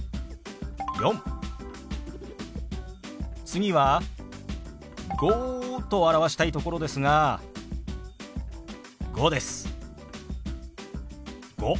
次は「５」と表したいところですが「５」です。